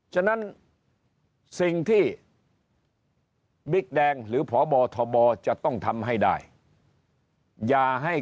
ฉะนั้นสิ่งที่บิ๊กแดงหรือพบทบจะต้องทำให้ได้อย่าให้